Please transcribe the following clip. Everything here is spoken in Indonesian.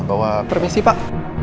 bawa permisi pak